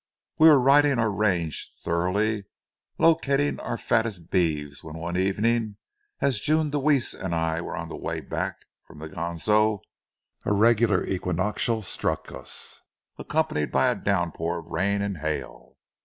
We were riding our range thoroughly, locating our fattest beeves, when one evening as June Deweese and I were on the way back from the Ganso, a regular equinoctial struck us, accompanied by a downpour of rain and hail.